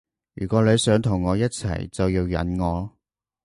如果你想同我一齊就要忍我